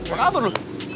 apa kabar lu